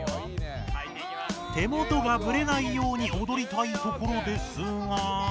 手もとがブレないようにおどりたいところですが。